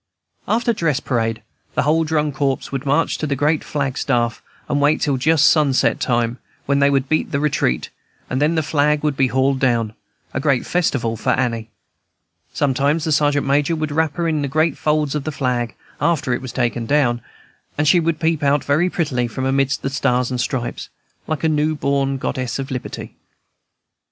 After dress parade the whole drum corps would march to the great flag staff, and wait till just sunset time, when they would beat "the retreat," and then the flag would be hauled down, a great festival for Annie. Sometimes the Sergeant Major would wrap her in the great folds of the flag, after it was taken down, and she would peep out very prettily from amidst the stars and stripes, like a new born Goddess of Liberty.